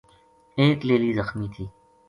ایک لیلی زخمی تھی